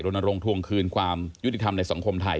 ลงทวงคืนความยุติธรรมในสังคมไทย